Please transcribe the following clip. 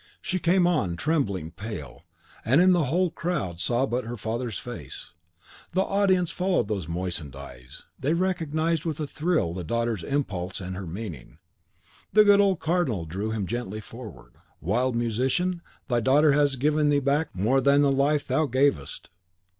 She came on, trembling, pale, and in the whole crowd saw but her father's face. The audience followed those moistened eyes; they recognised with a thrill the daughter's impulse and her meaning. The good old Cardinal drew him gently forward. Wild musician, thy daughter has given thee back more than the life thou gavest!